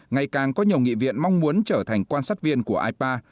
ngày càng có nhiều nghị viện mong muốn trở thành quan sát viên của ipa